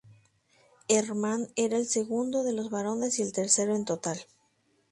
Herman era el segundo de los varones y el tercero en total.